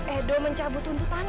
edo mencabut untuk tanya